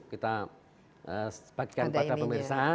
kita bagikan kepada pemirsa